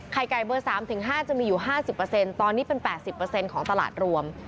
ไข่ไก่เบอร์สามถึงห้าจะมีอยู่ห้าสิบเปอร์เซ็นต์ตอนนี้เป็นแปดสิบเปอร์เซ็นต์ของตลาดรวม